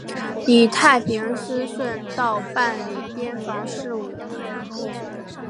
以太平思顺道办理边防事务。